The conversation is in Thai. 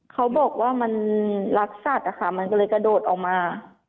เขาบอกว่ามันรักสัตว์มันก็เลยกระโดดออกมา